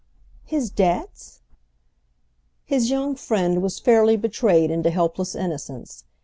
"His debts?" His young friend was fairly betrayed into helpless innocence.